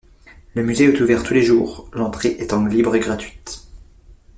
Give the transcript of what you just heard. Le musée est ouvert tous les jours, l'entrée étant libre et gratuite.